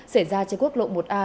xảy ra trên quốc lộ một a